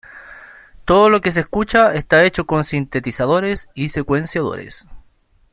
Todo lo que se escucha esta hecho con sintetizadores y secuenciadores.